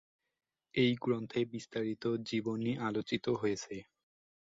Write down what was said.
এই গ্রন্থে বিস্তারিত জীবনী আলোচিত হয়েছে।